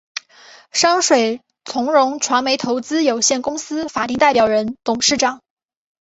山水从容传媒投资有限公司法定代表人、董事长